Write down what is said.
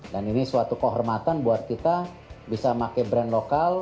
dan ini suatu kehormatan buat kita bisa pakai brand lokal